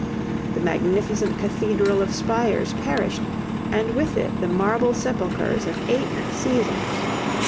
The magnificent Cathedral of Spires perished, and with it the marble sepulchres of eight Caesars.